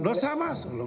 loh saya masuk